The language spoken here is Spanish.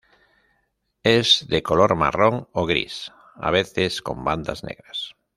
Es de color marrón o gris, a veces con bandas negras.